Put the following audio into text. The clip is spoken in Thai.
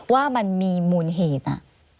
ว่ามันมีมูลเหตุ